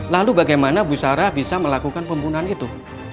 lalu bagaimana bu sarah bisa melakukan pembunuhan itu